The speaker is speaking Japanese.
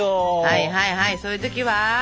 はいはいはいそういう時は？